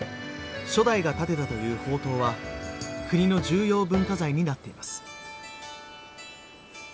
初代が建てたという宝塔は国の重要文化財になっています。